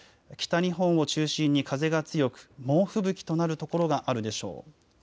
北日本を中心に風が強く、猛吹雪となる所があるでしょう。